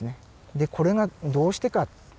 でこれがどうしてか？